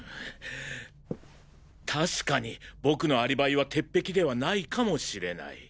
確かに僕のアリバイは鉄壁ではないかもしれない。